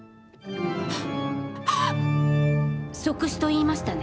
即死と言いましたね？